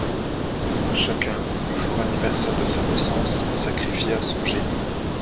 Chacun, le jour anniversaire de sa naissance, sacrifiait à son génie.